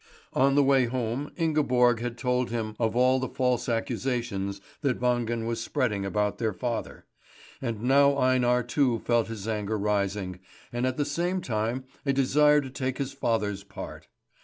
On the way home, Ingeborg had told him of all the false accusations that Wangen was spreading about their father; and now Einar too felt his anger rising, and at the same time a desire to take his father's part.